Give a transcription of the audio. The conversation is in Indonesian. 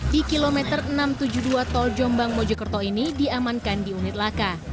di kilometer enam ratus tujuh puluh dua tol jombang mojokerto ini diamankan di unit laka